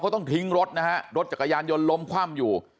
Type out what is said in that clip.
ต้องทิ้งรถนะฮะรถจักรยานยนต์ล้มคว่ำอยู่